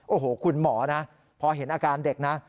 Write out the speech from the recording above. โอ้โหคุณหมอนะพอเห็นอาการเด็กนะ